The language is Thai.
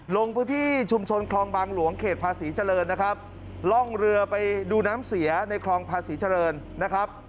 ล่องเรือไปดูน้ำเสียในคลองพระศรีเฉริญนะครับ